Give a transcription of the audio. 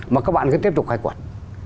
mà các bạn cứ tiếp tục khai quật